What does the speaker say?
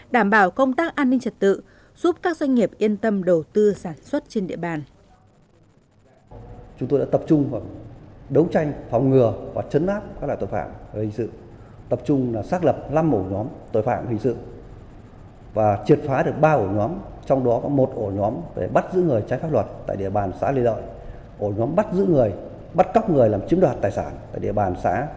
đảm bảo công tác an ninh trật tự giúp các doanh nghiệp yên tâm đầu tư sản xuất trên địa bàn